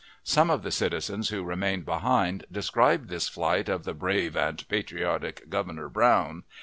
Some of the citizens who remained behind described this flight of the "brave and patriotic" Governor Brown.